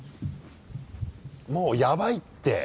もうやばいって。